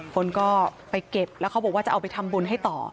คนก็ไปเก็บแล้วเขาบอกว่าจะเอาไปทำบุญให้ต่อ